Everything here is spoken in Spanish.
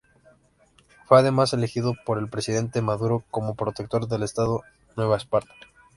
Fue además elegido por el presidente Maduro como Protector del estado Nueva Esparta.